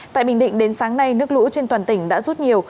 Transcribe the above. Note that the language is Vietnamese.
tại bình định đến sáng nay nước lũ trên toàn tỉnh đã rút nhiều